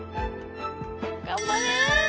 頑張れ！